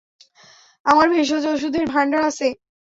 আমার ভেষজ ওষুধের ভাণ্ডার আছে।